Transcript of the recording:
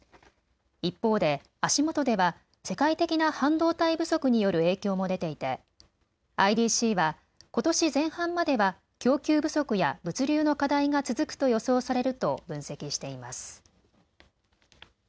一方で足元では世界的な半導体不足による影響も出ていてＩＤＣは、ことし前半までは供給不足や物流の課題が続くと予想されると分析しています。